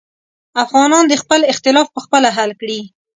افغانان دې خپل اختلافات پخپله حل کړي.